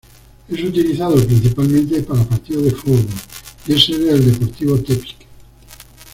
Es utilizado principalmente para partidos de fútbol y es sede del Deportivo Tepic.